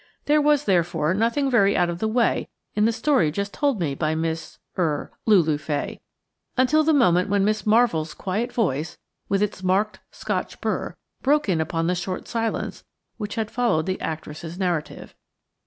There was, therefore, nothing very out of the way in the story just told me by Miss–er–Lulu Fay, until the moment when Miss Marvell's quiet voice, with its marked Scotch burr, broke in upon the short silence which had followed the actress's narrative.